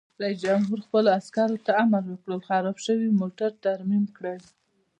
رئیس جمهور خپلو عسکرو ته امر وکړ؛ خراب شوي موټر ترمیم کړئ!